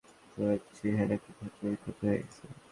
তোমার চেহারা কি ক্ষত-বিক্ষত হয়ে গেছে?